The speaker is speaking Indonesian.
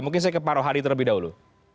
mungkin saya ke paruh hadir terlebih dahulu